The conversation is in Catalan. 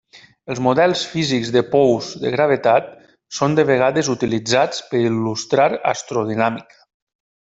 Els models físics de pous de gravetat són de vegades utilitzats per il·lustrar astrodinàmica.